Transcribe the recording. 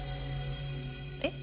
えっ？